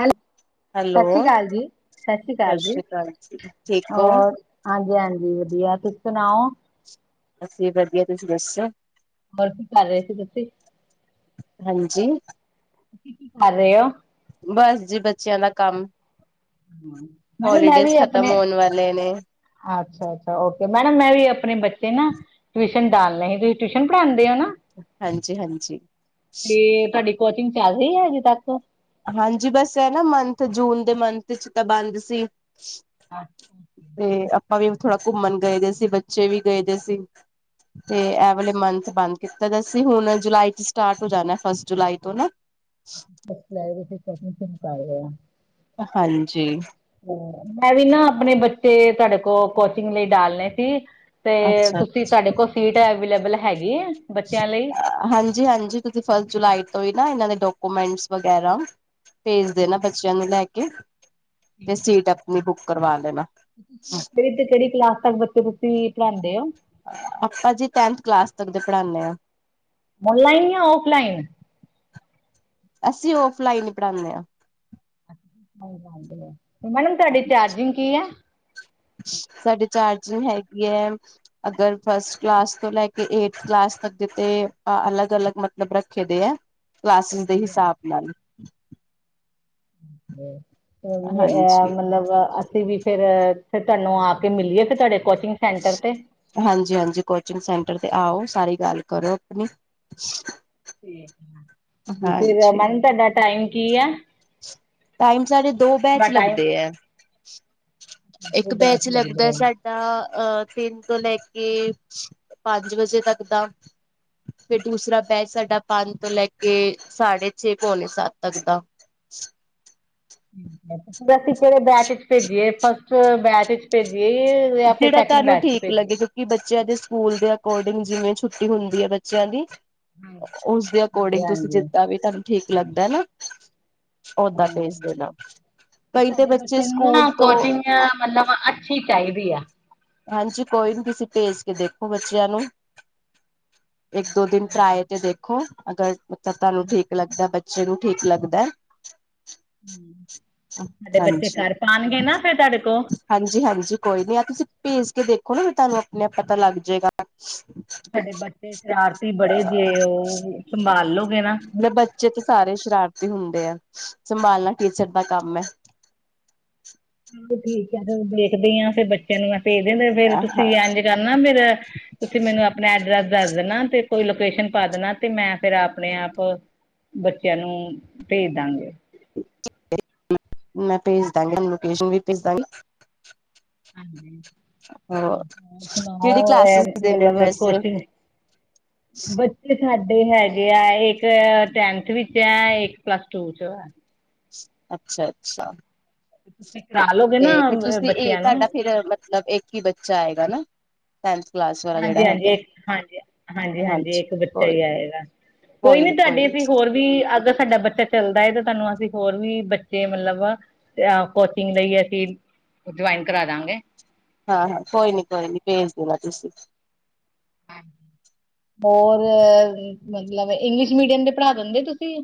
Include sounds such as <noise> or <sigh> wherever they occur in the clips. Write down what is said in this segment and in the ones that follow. Hello hello ਸਤਿ ਸ਼੍ਰੀ ਅਕਾਲ ਜੀ -ਸਤਿ ਸ਼੍ਰੀ ਸਤਿ ਅਕਾਲ ਜੀ ਸ੍ਰੀ ਅਕਾਲ ਜੀ ਠੀਕ ਹੋ ਔਰ ਹਾਂਜੀ- ਹਾਂਜੀ ਵਧੀਆ ਤੁਸੀ ਸੁਣਾਓ। ਬਸ ਵੀ ਵਧੀਆ ਤੁਸੀ ਦਸੋ। ਹੋਰ ਕੀ ਕਰ ਰਹੇ ਸੀ ਤੁਸੀ ਹਾਂਜੀ ਕਰ ਰਹੇ ਹੋ। ਬਸ ਜੀ ਬੱਚਿਆਂ ਦਾ ਕੰਮ ਮੈਡਮ ਮੈਂ ਹੋਲੀਡੇਜ਼ਸ ਵੀ ਖਤਮ ਆਪਣੇ ਹੋਣ ਵਾਲੇ ਨੇ ਅੱਛਾ- ਅੱਛਾ ਓਕੇ ਮੈਡਮ ਮੈ ਵੀ ਆਪਣੇ ਬੱਚੇ ਨਾ ਟਿਊਸ਼ਨ ਡਾਲ ਨੇ ਸੀ ਤੁਸੀ ਟਿਊਸ਼ਨ ਪੜਾਉਦੇ ਹੋ ਨਾ। ਹਾਂਜੀ ਹਾਂਜੀ ਤੇ ਤੁਹਾਡੀ ਕੋਚਿੰਗ ਚਲ ਰਹੀ ਹੈ ਅਜੇ ਤਕ ਹਾਂਜੀ ਬਸ ਇਹ ਨਾ ਮੰਥ ਜੂਨ ਦੇ ਮੰਥ 'ਚ ਤਾਂ ਬੰਦ ਸੀ। <inaudible> ਤੇ ਆਪਾਂ ਵੀ ਥੋੜਾ ਘੁੰਮਣ ਗਏ ਦੇ ਸੀ ਬੱਚੇ ਵੀ ਗਏ ਦੇ ਸੀ। ਤੇ ਐ ਵਲੇ ਮੰਥ ਬੰਦ ਕੀਤਾ ਦਾ ਸੀ ਹੁਣ ਜੁਲਾਈ 'ਚ ਸਟਾਰਟ ਹੋ ਜਾਣਾ ਫਸਟ ਜੁਲਾਈ ਤੋ ਨਾ ਲੈਕ ਆ <unintelligible> ਹਾਂਜੀ ਮੈਂ ਵੀ ਨਾ ਆਪਣੇ ਬੱਚੇ ਤੁਹਾਡੇ ਕੋਲ ਕੋਚਿਗ ਲਈ ਡਾਲਣੇ ਸੀ। ਤੇ ਅੱਛਾ ਤੁਸੀ ਤੁਹਾਡੇ ਕੋਲ ਸੀਟ ਅਵੇਲੇਬਲ ਹੈਗੀ ਆ ਬੱਚਿਆਂ ਲਈ ਹਾਂਜੀ- ਹਾਂਜੀ ਤੁਸੀ ਫਸਟ ਜੁਲਾਈ ਤੋ ਹੀ ਨਾ ਇਹਨਾਂ ਦੇ ਡਾਕੂਮੈਂਟਸ ਵਗੈਰਾ ਭੇਜ ਦੇਣਾ ਬੱਚਿਆਂ ਨੂੰ ਲੈ ਕੇ ਤੇ ਸੀਟ ਆਪਣੀ ਬੁਕ ਕਰਵਾ ਲੈਣਾ ਤੁਸੀ ਕਿਹੜੀ ਤੇ ਕਿਹੜੀ ਕਲਾਸ ਤਕ ਬੱਚੇ ਤੁਸੀ ਪੜ੍ਹਾਉਦੇ ਹੋ। ਆਪਾ ਜੀ ਟੈਂਨਥ ਕਲਾਸ ਤਕ ਦੇ ਪੜ੍ਹਾਣੇ ਹਾਂ। ਔਨਲਾਈਨ ਜਾਂ ਔਫਲਾਈਨ ਅਸੀ ਔਫਲਾਈਨ ਹੀ ਪੜ੍ਹਾਉਣੇ ਆਂ। ਤੇ ਮੈਡਮ ਤੁਹਾਡੀ ਚਾਰਜਿੰਗ ਕੀ ਆ ਸਾਡੇ ਚਾਰਜਿੰਗ ਹੈਗੀ ਹੈ। ਅਗਰ ਫਸਟ ਕਲਾਸ ਤੋਂ ਲੈ ਕੇ ਏਟਥ ਕਲਾਸ ਤੱਕ ਜਤੇ ਅਲੱਗ -ਅਲੱਗ ਮਤਲਬ ਮਤਲਬ ਰੱਖੇ ਦੇ ਹੈ ਕਲਾਸਿਸ ਦੇ ਹਾਂਜੀ ਹਾਂਜੀ। ਹਿਸਾਬ ਨਾਲ ਤੇ ਇਹ ਹਾਂਜੀ ਮ ਮਲਬ ਅਸੀਂ ਵੀ ਫੇਰ ਤੁਹਾਨੂੰ ਆ ਕੇ ਮਿਲੀਏ ਫਿਰ ਤੁਹਾਡੇ ਕੋਚਿੰਗ ਸੈਂਟਰ ਤੇ ਹਾਂਜੀ- ਹਾਂਜੀ ਕੋਚਿੰਗ ਸੈਂਟਰ ਤੇ ਆਓ ਸਾਰੀ ਗੱਲ ਕਰੋ ਆਪਣੀ ਫਿਰ ਹਾਂਜੀ ਮਨ ਤੁਡਾ ਟਾਈਮ ਕੀ ਆ? ਟਾਈਮ ਸਾਡੇ ਦੋ ਬੈਚ ਟਾਈਮ ਲੱਗਦੇ ਹੈ ਦੋ ਇੱਕ ਬੈਚ ਲੱਗਦੇ ਲੱਗਦਾ ਆ। ਸਾ ਤਾਂ ਅਹ ਤਿੰਨ ਤੋਂ ਲੈ ਕੇ ਪੰਜ ਵਜੇ ਤੱਕ ਦਾ। ਫਿਰ ਦੂਸਰਾ ਬੈਚ ਸਾਡਾ ਪੰਜ ਤੋਂ ਲੈ ਕੇ ਸਾਢੇ ਛੇ ਪੌਣੇ ਸੱਤ ਤੱਕ ਦਾ। ਅਸੀਂ ਕਿਹੜੇ ਬੈਚ 'ਚ ਭੇਜੀਏ ਫਸਟ ਬੈਚ'ਚ ਭੇਜੀਏ। ਆਪ ਸੈਕਡ ਬੈਚ 'ਚ ਭੇਜਏ। ਕਿ ਬੱਚਿਆਂ ਦੇ ਸਕੂਲ ਦੇ ਅਕੋਰਡਿੰਗ ਜਿਵੇ ਛੁੱਟੀ ਹੁੰਦੀ ਹੈ ਬੱਚਿਆਂ ਦੀ ਹਾਂ। ਉਸਦੇ ਹਾਂਜੀ ਅਕੋਰਡਿੰਗ ਤੁਸੀ ਹਾਂਜੀ। ਜਿਦਾਂ ਵੀ ਤੁਹਾਨੂੰ ਠੀਕ ਲਗਦਾ ਨਾ। ਉਦਾ ਭੇਜ ਹਮ। ਦੇਣਾ ਕਈ ਤਾਂ ਸਾਡੇ ਬੱਚੇ ਨੂੰ ਸਕੂਲ ਨਾ ਤੋਂ ਕੋਚਿੰਗ ਮਤਲਬ ਅੱਛੀ ਚਾਹੀਦੀ ਆ। ਹਾਂਜੀ ਕੋਈ ਨੀ ਤੁਸੀ ਭੇਜ ਕੇ ਦੇਖੋ ਬੱਚਿਆਂ ਨੂੰ ਇੱਕ ਦੋ ਦਿਨ ਟਰਾਇ ਤੇ ਦੇਖੋ ਅਗਰ ਤਾ ਨੂੰ ਠੀਕ ਲੱਗਦਾ ਬੱਚੇ ਨੂੰ ਠੀਕ ਲੱਗਦਾ। ਸਾਡੇ ਬੱਚੇ ਹਾਂਜੀ, ਘਰ ਪਾਂਣਗੇ ਨਾ ਫੇਰ ਤੁਹਾਡੇ ਕੋਲ ਹਾਂਜੀ ਹਾਂਜੀ ਕੋਈ ਨੀ ਆ ਤੁਸੀਂ ਭੇਜ ਕੇ ਦੇਖੋ ਨਾ ਵੀ ਤੁਹਾਨੂੰ ਆਪਣੇ ਆਪ ਪਤਾ ਲੱਗ ਜਾਏਗਾ। ਸਾਡੇ ਬੱਚੇ ਸ਼ਰਾਰਤੀ ਬੜੇ ਜੇ ਉਹ ਸੰਭਾਲੋਗੇ ਨਾ। ਜ ਬੱਚੇ ਤੇ ਸਾਰੇ ਸ਼ਰਾਰਤੀ ਹੁੰਦੇ ਆ ਸੰਭਾਲਣਾ ਟੀਚਰ ਦਾ ਕੰਮ ਹੈ। ਚ ਠੀਕ ਆ ਫ ਦੇਖਦੀ ਆ ਫਿਰ ਬੱਚੇ ਨੂੰ ਮੈਂ ਭੇਜ ਦ ਫਰ ਤੁਸੀਂ ਇੰਜ ਕਰਨਾ ਫੇਰ ਤੁਸੀਂ ਮੈਨੂੰ ਆਪਣਾ ਐਡਰੈਸ ਦੱਸ ਦੇਣਾ ਤੇ ਕੋਈ ਲੋਕੇਸ਼ਨ ਪਾ ਦੇਣਾ ਤੇ ਮੈਂ ਫੇਰ ਆਪਣੇ ਆਪ ਬੱਚਿਆਂ ਨੂੰ ਭੇਜ ਦਾਂਗੇ। ਮੈਂ ਭੇਜ ਦਾਂਗੀ ਮੈਂ ਲੋਕੇਸ਼ਨ ਵੀ ਭੇਜ ਦਾਂਗੀ। ਹ ਸੁਣਾਓ ਕਿਹੜੀ ਕਲਾਸਿਸ ਦੇ ਨੇ ਮਤਲਬ ਵੈਸੇ ਕੋਚਿੰਗ <inaudible> ਬ ਸਾਡੇ ਹੈਗੇ ਆ ਇੱਕ ਟੇਂਥ ਵਿੱਚ ਹੈ ਇੱਕ ਪਲੱਸ ਟੂ ਚ ਆ। ਅੱਛਾ ਅੱਛਾ। ਤੁਸੀਂ ਕਰਾ ਲਓਗੇ ਤੇ ਨਾ ਫਿਰ ਤੁਸੀਂ ਇਹ ਬੱਚਿਆਂ ਨੂੰ ਤੁਹਾਡਾ ਫਿਰ ਮਤਲਬ ਇੱਕ ਹੀ ਬੱਚਾ ਆਏਗਾ ਨਾ। ਟੈਨਥ ਕਲਾਸ ਵਾਲਾ ਜਿਹੜਾ ਹਾਂਜੀ ਹਾਂਜੀ ਹੈਗਾ ਇੱਕ ਹਾਂਜੀ ਹਾਂਜੀ ਹਾਂਜੀ ਇੱਕ ਬੱਚਾ ਹੀ ਆਏਗਾ। ਕੋਈ ਨੀ ਤੁਹਾਡੇ ਅਸੀਂ ਹੋਰ ਵੀ ਅਗਰ ਸਾਡਾ ਬੱਚਾ ਚੱਲਦਾ ਹੈ ਤਾਂ ਤੁਹਾਨੂੰ ਅਸੀਂ ਹੋਰ ਵੀ ਬੱਚੇ ਮਤਲਬ ਕੋਚਿੰਗ ਲਈ ਅਸੀਂ ਜੁਆਇਨ ਕਰਾ ਦਾਂਗੇ। ਹਾਂ ਹਾਂ ਕੋਈ ਨੀ ਕੋਈ ਨੀ ਭੇਜ ਦੇਣਾ ਤੁਸੀਂ। ਹੋਰ ਮਤਲਬ ਇੰਗਲਿਸ਼ ਮੀਡੀਅਮ ਤੇ ਪੜ੍ਹਾ ਦਿੰਦੇ ਤੁਸੀਂ?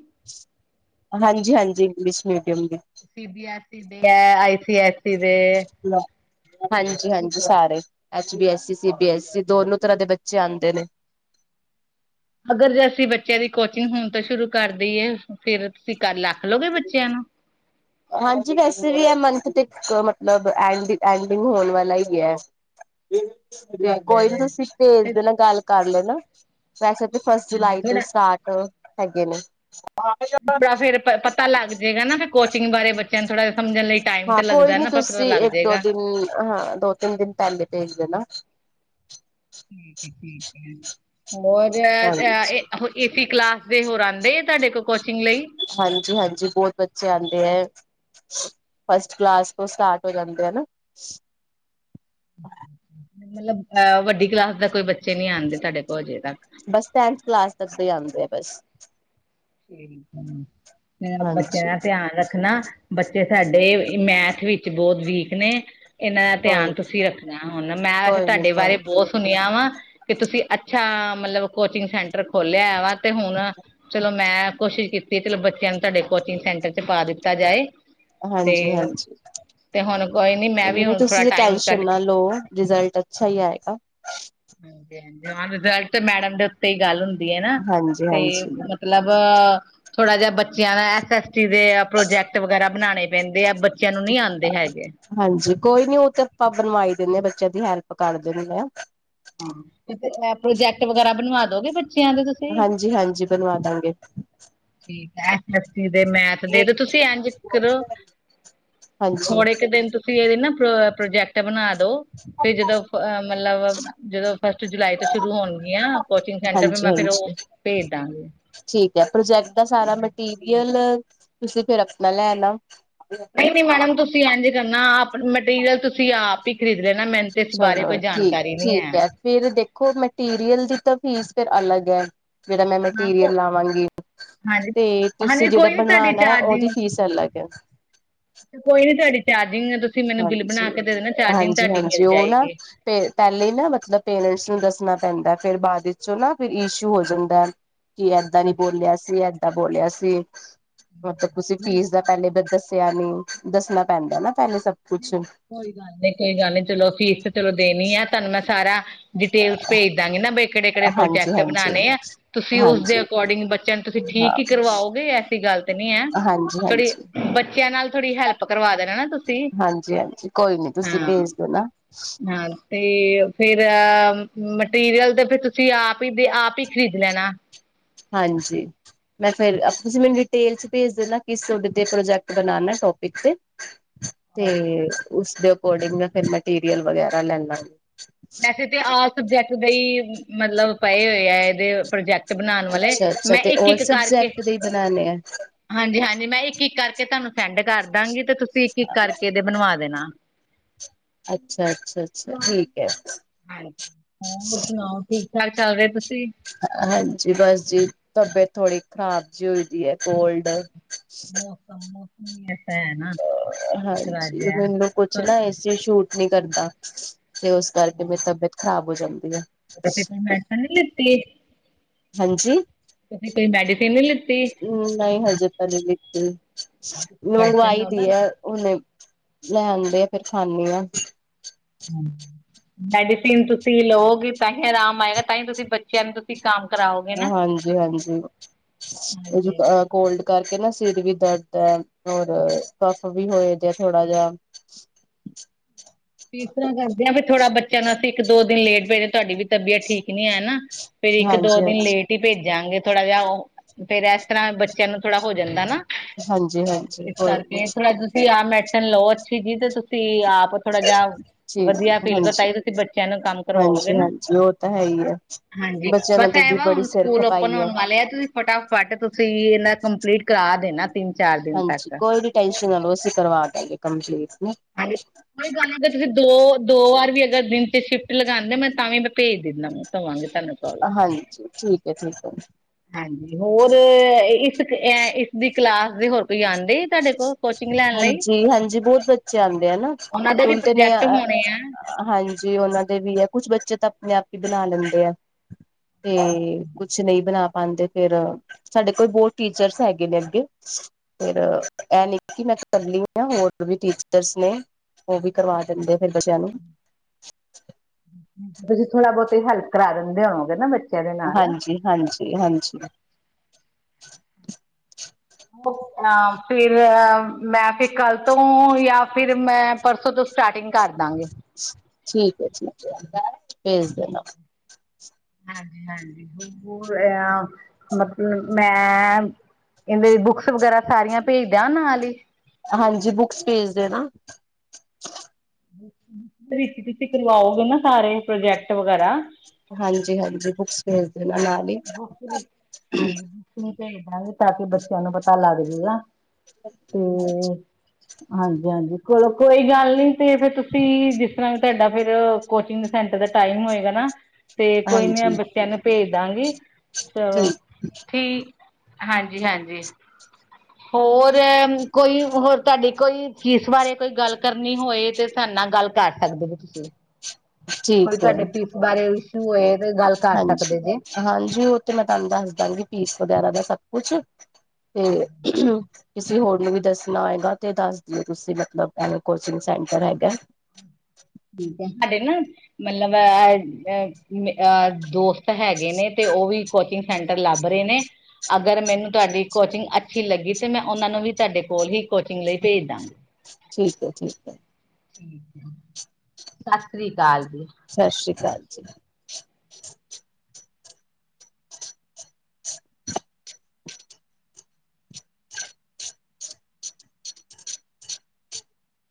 ਹਾਂਜੀ ਹਾਂਜੀ ਇੰਗਲਿਸ਼ ਮੀਡੀਅਮ ਦੀ। ਸੀ ਬੀ ਐਸ ਈ ਦੇ ਆਈ ਸੀ ਐਸ ਈ ਦੇ। ਹਲੋ। ਹਾਂਜੀ ਹਾਂਜੀ ਸਾਰੇ H B SC C B SC ਦੋਨੋ ਤਰ੍ਹਾਂ ਦੇ ਬੱਚੇ ਆਉਂਦੇ ਨੇ। ਅਗਰ ਜੇ ਅਸੀਂ ਬੱਚਿਆਂ ਦੀ ਕੋਚਿੰਗ ਹੋੁਣ ਤਾਂ ਸ਼ੁਰੂ ਕਰਦੀਏ ਫੇਰ ਤੁਸੀਂ ਕੱਲ ਆ ਖਲੋਗੇ ਬੱਚਿਆਂ ਨੂੰ। ਹਾਂਜੀ ਵੈਸੇ ਵੀ ਹੈ ਮੰਥ ਤੇ ਮਤਲਬ ਐਂਡਿੰਗ ਹੋਣ ਵਾਲਾ ਹੀ ਹੈ। ਕੋਈ ਨੀ ਤੁਸੀਂ ਭੇਜ ਦੇ ਨਾ ਗੱਲ ਕਰ ਲੈਣਾ। ਵੈਸੇ ਤੇ ਫਸਟ ਹਾਂਜੀ ਜੁਲਾਈ ਤੋਂ ਥੋੜਾ ਸਟਾਰਟ ਹੈਗੇ ਨੇ। ਥੋੜਾ ਫੇਰ ਪਤਾ ਲੱਗ ਜਾਏਗਾ ਨਾ ਫਿਰ ਕੋਚਿੰਗ ਬਾਰੇ ਬੱਚਿਆਂ ਨੂੰ ਥੋੜ੍ਹਾ ਜਿਹਾ ਸਮਝਣ ਟਾਈਮ ਹਾਂ ਤੇ ਕੋਈ ਲੱਗਦਾ ਨੀ ਨਾ ਪਰ ਪਤਾ ਤੁਸੀਂ ਲੱਗ ਇੱਕ ਦੋ ਜਾਏਗਾ ਦਿਨ ਹਾਂ ਦੋ ਤਿੰਨ ਦਿਨ ਪਹਿਲੇ ਭੇਜ ਦੇਣਾ। ਠੀਕ ਹੈ ਠੀਕ ਹੋਰ ਹਾਂਜੀ ਇਹ ਏ ਕਲਾਸ ਦੇ ਹੋਰ ਆਉਂਦੇ ਤੁਹਾਡੇ ਕੋਲ ਕੋਚਿੰਗ ਲਈ ਹਾਂਜੀ ਹਾਂਜੀ ਬਹੁਤ ਬੱਚੇ ਆਉਂਦੇ ਹੈ ਫਸਟ ਕਲਾਸ ਤੋਂ ਸਟਾਰਟ ਹੋ ਜਾਂਦੇ ਹਨਾ ਮਤਲਬ ਅਹ ਵੱਡੀ ਕਲਾਸ ਦਾ ਕੋਈ ਬੱਚੇ ਨੀ ਆਂਦੇ ਤੁਹਾਡੇ ਕੋਲ ਹਜੇ ਤੱਕ ਬਸ ਸੈਂਥ ਕਲਾਸ ਤੱਕ ਹੀ ਆਉਂਦੇ ਆ ਬਸ <unintelligible> ਬੱਚਿਆ ਹਾਂਜੀ ਦਾ ਧਿਆਨ ਰੱਖਣਾ। ਬੱਚੇ ਸਾਡੇ ਮੈਥ ਵਿੱਚ ਬਹੁਤ ਵੀਕ ਨੇ ਇਹਨਾਂ ਦਾ ਕੋਈ ਧਿਆਨ ਨੀ ਤੁਸੀਂ ਰੱਖਣਾ ਹੁਣ ਮੈਂ ਵੈਸੇ ਕੋਈ ਨੀ ਤੁਹਾਡੇ ਕੋਈ ਨੀ ਬਾਰੇ ਬਹੁਤ ਸੁਣਿਆ ਵਾ ਕਿ ਤੁਸੀਂ ਅੱਛਾ ਮਤਲਬ ਕੋਚਿੰਗ ਸੈਂਟਰ ਖੋਲਿਆ ਵਾ ਤੇ ਹੁਣ ਚਲੋ ਮੈਂ ਕੋਸ਼ਿਸ਼ ਕੀਤੀ ਚਲੋ ਬੱਚਿਆਂ ਨੂੰ ਤੁਹਾਡੇ ਕੋਚਿੰਗ ਸੈਂਟਰ ਚ ਪਾ ਦਿੱਤਾ ਜਾਏ ਤੇ ਹਾਂਜੀ ਹਾਂਜੀ ਤੇ ਹੁਣ ਕੋਈ ਨੀ ਮੈਂ ਵੀ ਹੁਣ ਥੋੜਾ ਤੁਸੀਂ ਦੀ ਟਾਈਮ ਟੈਸ਼ਨ ਕੱਢ ਨਾਲ ਲਓ ਰਿਜ਼ਲਟ ਅੱਛਾ ਹੀ ਆਏਗਾ ਹਾਂਜੀ ਹਾਂਜੀ ਹਾਂ ਰਿਜ਼ਲਟ ਮੈਡਮ ਦੇ ਉੱਤੇ ਹੀ ਗੱਲ ਹੁੰਦੀ ਹੈ ਨਾ ਹਾਂਜੀ ਤੇ ਹਾਂਜੀ। ਮਤਲਬ ਥੋੜਾ ਜਿਹਾ ਬੱਚਿਆਂ ਨੂੰ ਐਸ ਐਸ ਟੀ ਦੇ ਪ੍ਰੋਜੈਕਟ ਵਗੈਰਾ ਬਣਾਣੇ ਪੈਂਦੇ ਆ। ਬੱਚਿਆਂ ਨੂੰ ਨੀ ਆਉਂਦੇ ਹੈਗੇ। ਹਾਂਜੀ ਕੋਈ ਨੀ ਉਹ ਤੇ ਆਪਾਂ ਬਣਵਾਈ ਦਿੰਦੇ ਹਾਂ ਬੱਚਿਆਂ ਦੀ ਹੈਲਪ ਕਰ ਦਿੰਦੇ ਹ। ਹਾਂ ਤੇ ਪ੍ਰੋਜੈਕਟ ਵਗੈਰਾ ਬਣਵਾ ਦੋਗੇ ਬੱਚਿਆਂ ਦੇ ਤੁਸੀ? ਹਾਂਜੀ ਹਾਂਜੀ ਬਣਵਾ ਦਾਂਗੇ। ਠੀਕ ਹੈ ਐਸ ਐਸ ਦੇ ਮੈਥ ਦੇ ਤੇ ਤੁਸੀਂ ਇੰਝ ਕਰੋ ਹਾਂਜੀ ਥੋੜੇ ਕੁ ਦਿਨ ਤੁਂ ਫ ਇਹਦੇ ਨਾ ਪ੍ਰ ਪ੍ਰੋਜੈਕਟ ਬਣਾ ਦੋ ਫਰ ਜਦੋਂ ਮਤਲਬ ਜਦੋਂ ਫਸਟ ਜੁਲਾਈ ਤੋਂ ਸ਼ੁਰੂ ਹੋਣਗ ਆ ਕੋਚਿੰਗ ਸੈਂਟਰ ਹਾਂਜੀ ਮੈਂ ਫਿਰ ਉਹ ਹਾਂਜੀ ਭੇਜ ਦਾਂਗੇ ਠੀਕ ਹੈ ਪ੍ਰੋਜੈਕਟ ਦਾ ਸਾਰਾ ਮਟੀਰੀਅਲ ਤੁਸੀਂ ਫਿਰ ਆਪਣਾ ਲੈਣਾ ਨਹੀਂ ਨਹੀਂ ਮੈਡਮ ਤੁਸੀਂ ਇੰਝ ਕਰਨਾ ਆਪ ਮਟੀਰੀਅਲ ਤੁਸੀਂ ਆਪ ਹੀ ਖ਼ਰੀਦ ਲੈਣਾ ਮੈਨੂੰ ਤੇ ਇਸ ਬਾਰੇ ਕੋਈ ਚਲੋ ਠੀਕ ਜਾਣਕਾਰੀ ਨੀ ਠੀਕ ਹੈ ਫਿਰ ਦੇਖੋ ਮਟੀਰੀਅਲ ਦੀ ਤਾਂ ਫੀਸ ਫਿਰ ਅਲੱਗ ਹੈ ਜਿੜਾ ਮੈਂ ਹਾਂ ਕੋ ਮਟੀਰੀਅਲ ਲਾਵਾਂਗੀ ਹਾਂਜੀ ਤੇ ਤੁਸੀਂ ਹਾਂਜੀ ਜਿਹੜਾ ਕੋਈ ਨਹੀਂ ਤੁਹਾਡੀ ਬਣਵਾਣਾ ਹੈ ਉਹਦੀ ਚਾਰਜਿੰਗ ਫੀਸ ਅਲੱਗ ਹੈ ਤੇ ਕੋਈ ਨੀ ਤੁਹਾਡੀ ਚਾਰਜਿੰਗ ਦਸੋ ਹਾਂਜੀ ਹਾਂਜੀ ਹਾਂਜੀ ਮਿਲ ਉਹ ਨਾ ਜਾਏਗੀ ਪਹਿਲੇ ਨਾ ਮਤਲਬ ਪੇਰੈਂਟਸ ਨੂੰ ਦੱਸਣਾ ਪੈਂਦਾ ਫੇਿਰ ਬਾਅਦ ਵਿੱਚੋਂ ਨਾ ਫਿਰ ਇਸ਼ੂ ਹੋ ਜਾਂਦਾ ਕਿ ਏਦਾਂ ਨੀ ਬੋਲਿਆ ਸੀ ਏਦਾਂ ਬੋਲਿਆ ਸੀ ਮਤਲਬ ਤੁਸੀਂ ਫੀਸ ਦਾ ਪਹਿਲੇ ਦੱਸਿਆ ਨਿ ਦੱਸਣਾ ਪੈਂਦਾ ਨਾ ਪਹਿਲੇ ਸਭ ਕੁਛ ਕੋਈ ਗੱਲ ਨੀ ਕੋਈ ਗੱਲ ਨੀ ਚਲੋ ਫੀਸ ਤੇ ਚਲੋ ਦੇਣੀ ਹੈ ਤੁਹਾਨੂੰ ਮੈਂ ਸਾਰਾ ਡਿਟੇਲਸ ਭੇਜ ਾਂਗੇ ਨਾ ਬ ਕਿਹੜੇ ਕਿਹੜੇ ਹਾਂਜੀ, ਪ੍ਰੋਜੈਕਟ ਹਾਂਜੀ, ਬਣਾਉਣੇ ਆ ਤੁਸੀਂ ਉਸਦੇ ਹਾਂਜੀ, ਅਕੋਰਡਿੰਗ ਬੱਚਿਆਂ ਨੂੰ ਤੁਸੀਂ ਠੀਕ ਹਾਂ ਹੀ ਕਰਵਾਓਗੇ ਐਸੀ ਗੱਲ ਤਾਂ ਨਹੀਂੀ ਹੈ ਹਾਂਜੀ, ਥੋੜ੍ਹੀ ਹਾਂਜੀ, ਬੱਚਿਆਂ ਨਾਲ ਥੋੜ੍ਹੀ ਹੈਲਪ ਕਰਵਾ ਦੇਣਾ ਹਨਾ ਹਾਂਜੀ ਹਾਂਜੀ ਕੋਈ ਨੀ ਤੁਸੀਂ ਭੇਜ ਦਿੋ ਨਾ ਹਾਂ ਤੇ ਫੇਿਰ ਮਟੀਰੀਅਲ ਤੇ ਫਿਰ ਤੁਸੀਂ ਆਪ ਹੀ ਦੇ ਆਪ ਹੀ ਖਰੀਦ ਲੈਣਾ ਹਾਂਜੀ ਮੈਂ ਫਿਰ ਤੁਸੀਂ ਮੈਨੂੰ ਡਿਟੇਲ ਚ ਭੇਜ ਦੇਦਾ ਕਿਸ ਤੁਹਾਡੇ ਤੇ ਪ੍ਰੋਜੈਕਟ ਬਣਾ ਟੋਪਿਕ ਤੇ ਤੇ ਉਸਦੇ ਅਕੋਰਡਿੰਗ ਮੈਂ ਫੇਿਰ ਮਟੀਰੀਅਲ ਵਗੈਰਾ ਲੈ ਲਾਗੀ ਵੈਸੇ ਤਾਂ ਆ ਸਬਜੈਕਟ ਦੇ ਹੀ ਮਤਲਬ ਪਏ ਹੋਏ ਆ ਇਹਦੇ ਪ੍ਰੋਜੈਕਟ ਬਣਾਉਣ ਵਾਲੇ ਅੱਛਾ-ਅੱਛਾ ਮੈਂ ਤੇ ਇੱਕ ਔਲ ਇੱਕ ਕਰਕੇ ਸਬਜੈਕਟ ਦੇ ਹੀ ਬਣਾਣੇ ਆ ਹਾਂਜੀ ਹਾਂਜੀ ਮੈਂ ਇੱਕ ਇੱਕ ਕਰਕੇ ਤੁਹਾਨੂੰ ਸੈਂਡ ਕਰ ਦਾਂਗੀ ਤੇ ਤੁਸੀਂ ਇੱਕ ਇੱਕ ਕਰਕੇ ਇਹਦੇ ਬਣਵਾ ਦੇਣਾ ਅੱਛਾ ਅੱਛਾ ਅੱਛਾ ਠੀਕ ਹੈ ਹਾਂਜੀ ਹੋ ਹੋਰ ਸੁਣਾਓ ਠੀਕ ਠਾਕ ਚੱਲ ਰਹੇ ਤੁਸੀਂ ਹਾਂਜੀ ਬਸ ਜੀ ਤਬੀਅਤ ਥੋੜੀ ਖਰਾਬ ਜਿ ਹੋਈ ਦੀ ਹੈ ਕੋਲਡ <inaudible> ਨਹੀਂ ਭੈਣਾ ਹਾਂਜੀ ਮੈਨੂੰ ਕੁਛ ਨਾ ਏ ਸੀ ਸੂਟ ਨਹੀਂੀ ਕਰਦਾ ਤੇ ਉਸ ਕਰਕੇ ਮੇਰੀ ਤਬੀਅਤ ਖ਼ਰਾਬ ਹੋ ਜਾਂਦੀ ਆ ਤੁਸੀ ਫਿਰ ਮੈਡੀਸਿਨ ਨਹੀਂ ਲਿਤੀ ਹਾਂਜੀ ਤੁਸੀੇ ਕੋਈ ਮੈਡੀਸੀਨ ਨੀ ਲੀਤੀ ਨਹੀਂ ਹਜੇ ਤਾਂ ਨਹੀਂ ਦਿੱਤੀ ਮੈਡੀਸਨ ਮੰਗਵਾਈ ਲਓ ਨਾ ਦੀ ਹੈ ਉਹਨੇ ਲੈ ਆਉਂਦੇ ਆ, ਫਿਰ ਖਾਂਦੀ ਹਾਂ। ਮੈਡੀਸਿਨ ਤੁਸੀਂ ਲਓਗੇ ਤਾਂ ਹੀ ਆਰਾਮ ਆਏਗਾ, ਤਾਂ ਹੀ ਤੁਸੀਂ ਬੱਚਿਆਂ ਨੂੰ ਕੰਮ ਕਰਾ ਹਾਂਜੀ ਹਾਂਜੀ ਓਹ ਜੁਕਾਮ ਕੋਲਡ ਕਰਕੇ ਨਾ ਸਿਰ ਵੀ ਦਰਦ ਹੈ ਔਰ ਕਫ ਵੀ ਹੋਏ ਜ ਆ ਥੋੜਾ ਜਾਹਾ ਇਸ ਤਰ੍ਹਾਂ ਕਰਦੇ ਹਾਂ ਵੀ ਥੋੜਾ ਬੱਚਿਆਂ ਨੂੰ ਅਸੀਂ ਇੱਕ ਦੋ ਦਿਨ ਲੇਟ ਪਏ ਰ ਤੁਹਾਡੀ ਵੀ ਤਬੀਅਤ ਠੀਕ ਨੀ ਹੈ ਨਾ ਫੇਿਰ ਇੱਕ ਦੋ ਹਾਂਜੀ ਦਿਨ ਹਾਂਜੀ ਲੇਟ ਭੇਜਾਂਗੇ ਥੋੜਾ ਜਾਿਹਾ ਉਹ ਫੇਿਰ ਇਸ ਤਰ੍ਹਾਂ ਬੱਚਿਆਂ ਨੂੰ ਥੋੜਾ ਹੋ ਜਾਂਦਾ ਨਾ ਹਾਂਜੀ ਹਾਂਜੀ ਇਸ ਕੋਈ ਨੀ ਕਰਕੇ ਥੋੜਾ ਤੁਸੀਂ ਆਹ ਮੈਡੀਸਨ ਲਓ ਅੱਛੀ ਜੀ ਤੇ ਤੁਸੀਂ ਆਪ ਥੋੜ੍ਹਾ ਜਾਿਹਾ ਠੀਕ ਵਧੀਆ ਫੀਲ ਕਰੋ ਤ ਹਾਂਜੀ ਹੀ ਤੁਸੀਂ ਬੱਚਿਆਂ ਨੂੰ ਕੰਮ ਕਰਵਾਓਗੇ ਹਾਂਜੀ ਨਾ ਹਾਂਜੀ ਉਹ ਤਾਂ ਹੈ ਹੀ ਹੈ ਹਾਂਜੀ ਬੱਚਿਆਂ ਨੂੰ ਬਸ ਤੇ ਐ ਵੀ ਵ ਬੜੀ ਹੁਣ ਸਿਰ ਸਕੂਲ ਓਪਨ ਖਪਾਈ ਹੈ ਹੋਣ ਵਾਲੇ ਆ ਤੁਸੀਂ ਫਟਾਫਟ ਤੁਸੀਂ, ਇਹਨਾ ਕੰਪਲੀਟ ਕਰਾ ਦੇਣਾ। ਤਿੰਨ-ਚਾਰ ਹਾਂਜੀ, ਕੋਈ ਵੀ ਟੈਨਸ਼ਨ ਨਾ ਲੋ, ਅਸੀਂ ਕਰਵਾ ਦਾਂਗੇ ਕੰਪਲੀਟ। ਹਾਂਜੀ <unintelligible> ਕੋਈ ਗੱਲ ਨੀ, ਤੁਸੀਂ ਦੋ-ਦੋ ਵਾਰ ਵੀ ਅਗਰ ਦਿਨ'ਚ ਸ਼ਿਫਟ ਲਗਾਂਦੇ ਹੋ, ਮੈਂ, ਤਾਂ ਵੀ ਮੈਂ ਭੇਜ ਦੇਣਾ ਵੇ। ਹੋਵਾਂਗੇ ਸਾੰਨੂ ਹਾਂਜੀ, ਠੀਕ ਹੈ, ਠੀਕ ਹੇ। ਹਾਂਜੀ, ਹੋਰ ਇਸ, ਇਸਦੀ ਕਲਾਸ ਦੇ ਹੋਰ ਕੋਈ ਆਂਦੇ ਤੁਹਾਡੇ ਕੋਲ? ਕੋਚਿੰਗ ਲੈਣ ਲਈ ਹਾਂਜੀ-ਹਾਂਜੀ, ਬਹੁਤ ਬੱਚੇ ਆਂਦੇ ਆ ਨਾ, ਉਹਨਾਂ ਦੇ ਵੀ ਹੁਣ ਤੇ ਨਹੀਂ ਪ੍ਰੋਜੈਕਟ ਹੋਣੇ ਆ। ਹਾਂਜੀ ਉਹਨਾਂ ਦੇ ਵੀ ਹੈ, ਕੁਛ ਬੱਚੇ ਤਾ ਆਪਣੇ-ਆਪ ਹੀ ਬਣਾ ਲੈਂਦੇ ਆ। ਤੇ, ਕੁਛ ਨਹੀਂ ਬਣਾ ਪਾਂਦੇ ਫਿਰ ਸਾਡੇ ਕੋਲ ਬਹੁਤ ਟੀਚਰਸ ਹੈਗੇ ਨੇ ਅੱਗੇ, ਫਿਰ ਇਹਨੀ ਮੈਂ ਕਰ ਰਹੀ ਹਾਂ, ਹੋਰ ਵੀ ਟੀਚਰਸ ਨੇ, ਉਹ ਵੀ ਕਰਵਾ ਦਿੰਦੇ ਫਿਰ ਬੱਚਿਆਂ ਨੂੰ। ਤੁਸੀਂ ਥੋੜਾ-ਬਹੁਤ ਤੇ ਹੈਲਪ ਕਰਾ ਦਿੰਦੇ ਹੋਂਵੋਗੇ ਨਾ ਬੱਚ ਹਾਂਜੀ-ਹਾਂਜੀ- ਹਾਂਜੀ। ਓਫ ਹਾਂ, ਫਿਰ ਮੈਂ ਫਿਰ ਕੱਲ ਤੋਂ, ਯਾ ਫਿਰ ਮੈਂ, ਪਰਸੋਂ ਤੋਂ ਸਟਾਰਟਿੰਗ ਕਰਦਾਂਗੀ। ਠੀਕ ਹੈ, ਠੀਕ ਏ। ਠੀਕ ਹੈ, ਹਾਂਜੀ-ਹਾਂਜੀ। <unintelligible> ਮਤਲਬ ਮੈਮ ਇਹਦੇ ਦੀ ਬੁੱਕਸ ਵਗੈਰਾ ਸਾਰੀਆਂ ਭੇਜ ਦਿਆਂ, ਨਾਲ ਹੀ। ਹਾਂਜੀ। ਬੁੱਕਸ ਭੇਜਦੇ ਨਾ। ਵਿੱਚ ਤੁਸੀਂ ਕਰਵਾਓਗੇ ਨਾ, ਸਾਰੇ ਪ੍ਰੋਜੈਕਟ ਵਗੈਰਾ ਹਾਂਜੀ-ਹਾਂਜੀ ਬੁੱਕਸ ਭੇਜਦੇਣਾ ਹਾਂਜੀ ਨਾਲ ਹੀ। ਬੁੱਕ ਵਿੱਚ ਹਾਂਜੀ ਬੁੱਕ ਭੇਜ ਦਾਂਗੇ ਤਾਂ ਕਿ, ਬੱਚਿਆਂ ਨੂੰ ਪਤਾ ਲੱਗ ਜਾਏਗਾ, ਤੇ ਹਾਂਜੀ-ਹਾਂਜੀ, ਚਲੋ ਕੋਈ ਗੱਲ ਨੀ, ਤੇ ਫੇਰ ਤੁਸੀਂ ਜਿਸ ਤਰ੍ਹਾਂ ਤੁਹਾਡਾ ਫਿਰ ਕੋਚਿੰਗ ਸੈਂਟਰ ਦਾ ਟਾਈਮ ਹੋਏਗਾ ਨਾ, ਤੇ ਕੋਈ ਨੀ ਹਾਂਜੀ ਬੱਚਿਆਂ ਨੂੰ ਭੇਜਦਾਂਗੀ ਚਲੋ, ਠੀਕ ਠੀਕ, ਹਾਂਜੀ-ਹਾਂਜੀ। ਹੋਰ, ਕੋਈ ਹੋਰ ਤੁਹਾਡੀ ਕੋਈ ਚੀਜ਼ ਬਾਰੇ ਕੋਈ ਗੱਲ ਕਰਨੀ ਹੋਏ, ਤੇ ਸਾਡ ਨਾਲ ਗੱਲ ਕਰ ਸਕਦੇ ਹੋ ਤੁਸੀਂ। ਕੋਈ ਠੀਕ ਹੈ ਤੁਹਾਡੇ ਫੀਸ ਬਾਰੇ ਇਸ਼ੂ ਹੋਏ, ਤੇ ਗੱਲ ਕਰ ਹਾਂਜੀ, ਸਕਦੇ ਜੇ। ਹਾਂਜੀ ਉਹ ਤੇ ਮੈਂ ਤੁਹਾਨੂੰ ਦੱਸ ਦਾਂਗੀ, ਫੀਸ ਵਗੈਰਾ ਦਾ ਸਭ ਪੁਛੋ, ਤੇ ਕਿਸੇ ਹੋਰ ਨੂੰ ਵੀ ਦਸਣਾ ਹੋਏਗਾ, ਤੇ ਦਸ ਦਿਓ ਤੁਸੀਂ, ਮਤਲਬ ਕੋਚਿੰਗ ਸੈਂਟਰ ਹੈਗਾ। ਠੀਕ ਹੈ, ਸਾਡੇ ਨਾ ਮਤਲਬ ਅ ਅ ਦੋਸਤ ਹੈਗੇ ਨੇ, ਤੇ ਉਹ ਵੀ ਕੋਚਿੰਗ ਸੈਂਟਰ ਲੱਭ ਰਹੇ ਨੇ। ਅਗਰ ਮੈਨੂੰ ਤੁਹਾਡੀ ਕੋਚਿੰਗ ਅੱਛੀ ਲੱਗੀ ਤੇ, ਮੈਂ ਉਹਨਾਂ ਨੂੰ ਵੀ ਤੁਹਾਡੇ ਕੋਲ ਹੀ ਕੋਚਿੰਗ ਲਈ ਭੇਜ ਦਾਂ। ਠੀਕ ਹੈ, ਠੀਕ ਹੈ। <inaudible> ਸਤਿ ਸ਼੍ਰੀ ਅਕਾਲ ਜੀ, ਸਤਿ ਸ੍ਰੀ ਅਕਾਲ ਜੀ,